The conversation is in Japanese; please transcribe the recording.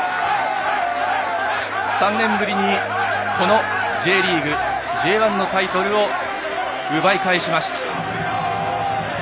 ３年ぶりに、このＪリーグＪ１のタイトルを奪い返しました。